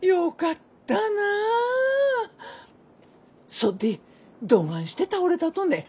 そっでどがんして倒れたとね？